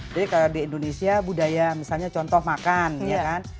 jadi kalau di indonesia budaya misalnya contoh makan ya kan